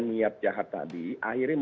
niat jahat tadi akhirnya